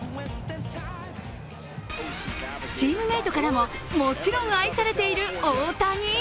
チームメートからももちろん愛されている大谷。